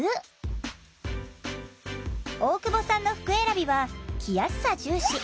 大久保さんの服選びは着やすさ重視。